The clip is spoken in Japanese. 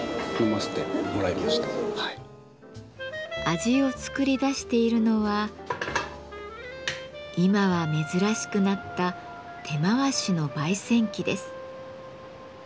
味を作り出しているのは今は珍しくなった手回しの焙煎機です。